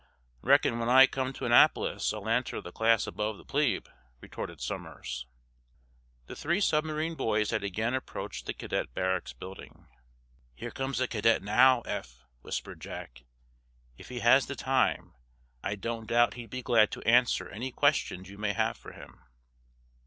"Reckon, when I come to Annapolis, I'll enter the class above the plebe," retorted Somers. The three submarine boys had again approached the cadet barracks building. "Here comes a cadet now, Eph," whispered Jack. "If he has the time, I don't doubt he'd be glad to answer any questions you may have for him."